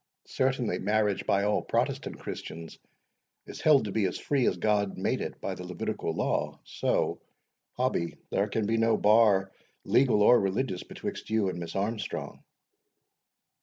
"Certainly marriage, by all protestant Christians, is held to be as free as God made it by the Levitical law; so, Hobbie, there can be no bar, legal or religious, betwixt you and Miss Armstrong."